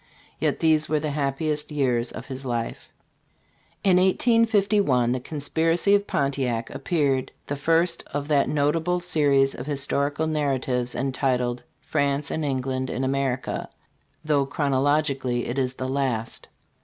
Yet these were the happiest years of his life. 72 STARVED ROCK : A HISTORICAL SKETCH. In 1851 the "Conspiracy of Pontiac " appeared, the first of that notable series of historical narratives entitled "France and England in America," though chronologically it is the last.